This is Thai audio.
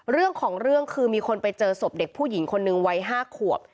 เรื่องของเรื่องคือมีคนไปเจอศพเด็กผู้หญิงคนหนึ่งวัย๕ขวบ